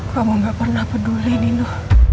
kamu gak pernah peduli nino